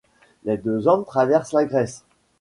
Deux hommes traversent la Grèce.